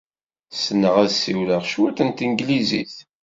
Ssneɣ ad ssiwleɣ cwiṭ n tanglizit.